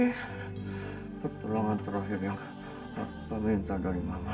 itu terlalu terakhir yang harus diminta dari mama